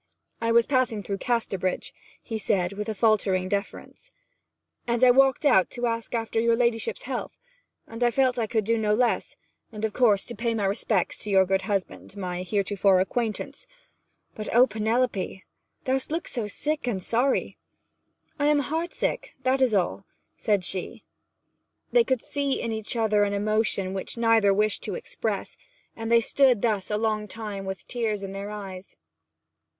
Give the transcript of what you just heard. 'I was passing through Casterbridge,' he said, with faltering deference, 'and I walked out to ask after your ladyship's health. I felt that I could do no less; and, of course, to pay my respects to your good husband, my heretofore acquaintance ... But oh, Penelope, th'st look sick and sorry!' 'I am heartsick, that's all,' said she. They could see in each other an emotion which neither wished to express, and they stood thus a long time with tears in their eyes.